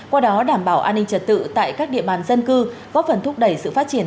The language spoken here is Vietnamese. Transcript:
qua đó đảm bảo an ninh trật tự tại các địa bàn dân cư góp phần thúc đẩy sự phát triển